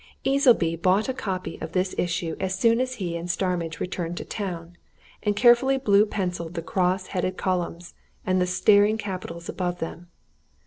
Easleby bought a copy of this issue as soon as he and Starmidge returned to town, and carefully blue pencilled the cross headed columns and the staring capitals above them.